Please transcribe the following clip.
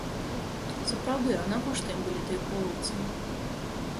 Сапраўды, а навошта ім былі тыя полаўцы?